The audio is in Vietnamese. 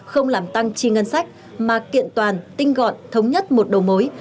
không làm tăng chi ngân sách mà kiện toàn tinh gọn thống nhất một đầu mối